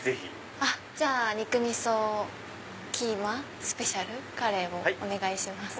じゃあ肉味噌キーマスペシャルカレーをお願いします。